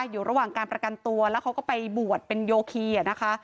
อยู่ระหว่างการประกันตัวแล้วเขาก็ไปบวชเป็นโยคีนะคะ